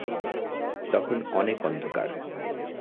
তখন অনেক অন্ধকার।